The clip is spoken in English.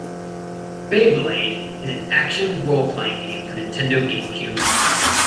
"Beyblade" is an action role-playing game for Nintendo GameCube.